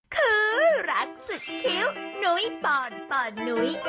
คือรักสุดคิ้วนุ้ยปอนปอนนุ้ย